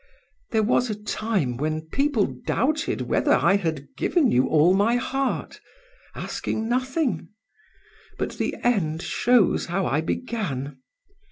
There was a time when people doubted whether I had given you all my heart, asking nothing. But the end shows how I began.